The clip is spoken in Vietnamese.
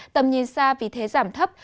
tầm nhìn xa vì thế giảm thấp